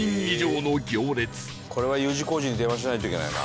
これはＵ字工事に電話しないといけないな。